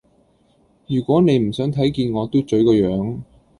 如果你唔想睇見我嘟嘴個樣